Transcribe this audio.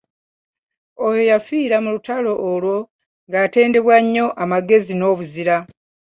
Oyo yafiirayo mu lutalo olwo ng'atendebwa nnyo amagezi n'obuzira.